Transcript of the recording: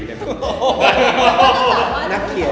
นะคะนักเขียน